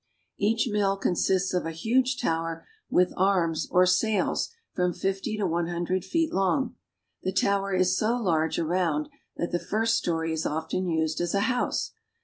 Each mill consists of a huge tower with arms or sails from fifty to one hundred feet long. The tower is so large around that the first story is often used as a house.